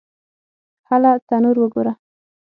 _هله! تنور وګوره!